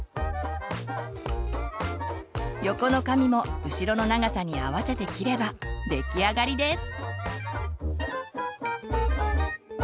横の髪も後ろの長さに合わせて切れば出来上がりです。